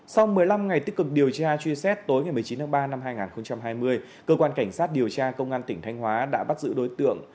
sau một mươi năm ngày tích cực điều tra truy xét tối một mươi chín tháng ba năm hai nghìn hai mươi cơ quan cảnh sát điều tra công an tỉnh thanh hóa đã bắt giữ đối tượng